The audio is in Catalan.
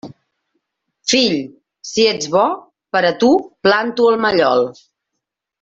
Fill, si ets bo, per a tu planto el mallol.